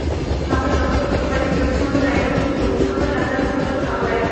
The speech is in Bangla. সভায় সভাপতিত্ব করেন প্রথম আলো রায়গঞ্জ বন্ধুসভার সাধারণ সম্পাদক আবু রায়হান।